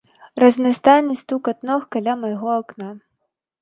Разнастайны стукат ног каля майго акна.